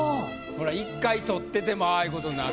ほら１回取っててもああいうことになる。